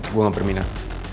gue gak berminat